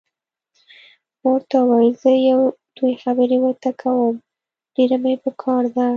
ما ورته وویل: زه یو دوې خبرې ورته کوم، ډېره مې پکار ده.